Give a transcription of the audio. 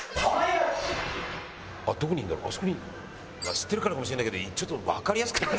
知ってるからかもしれないけどちょっとわかりやすくない？